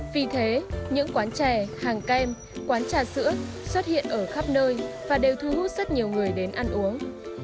vì thế những quán chè hàng kem quán trà sữa xuất hiện ở khắp nơi và đều thu hút rất nhiều người đến ăn uống